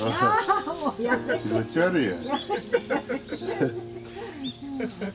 気持ち悪いや。